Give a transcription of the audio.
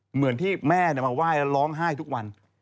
เหมือนที่แม่มาไหว้แล้วร้องไห้ทุกวัน